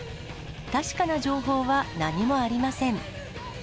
確かな情報は何もありません。